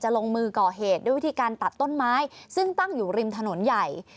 ลงมือก่อเหตุด้วยวิธีการตัดต้นไม้ซึ่งตั้งอยู่ริมถนนใหญ่